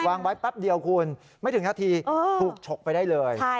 วางไว้แป๊บเดียวคุณไม่ถึงนาทีถูกฉกไปได้เลย